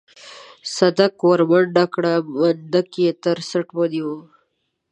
صدک ورمنډه کړه منډک يې تر څټ ونيوه.